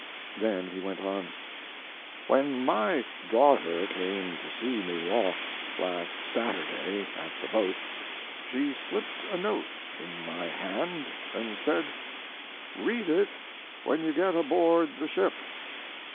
Then he went on: When my daughter came to see me off last Saturday at the boat she slipped a note in my hand and said, "Read it when you get aboard the ship."